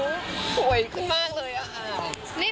หนูสวยขึ้นมากเลยอะ